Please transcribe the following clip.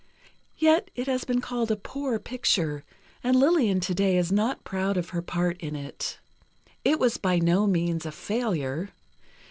Yet it has been called a poor picture, and Lillian today is not proud of her part in it. It was by no means a failure.